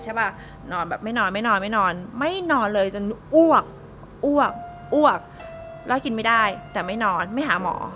ใช่ป่ะนอนแบบไม่นอนไม่นอนไม่นอนไม่นอนเลยจนอ้วกอ้วกอ้วกแล้วกินไม่ได้แต่ไม่นอนไม่หาหมอ